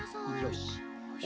よし！